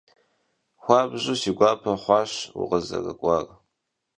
Xuabju si guape xhuaş vukhızerık'uar.